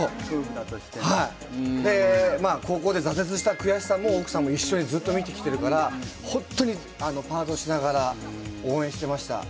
高校で挫折した悔しさも、奥さんもずっと一緒に見てきてるから本当にパートしながら応援してました。